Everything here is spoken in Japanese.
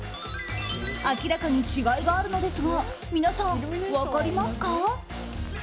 明らかに違いがあるのですが皆さん、分かりますか？